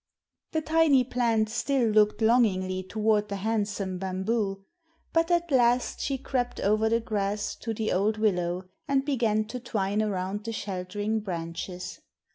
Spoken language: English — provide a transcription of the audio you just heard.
The tiny plant still looked longingly toward the handsome bamboo. But at last she crept over the grass to the old willow, and began to twine around the sheltering branches.